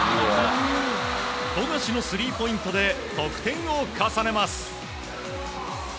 富樫のスリーポイントで得点を重ねます。